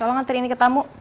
tolong aturin ini ke tamu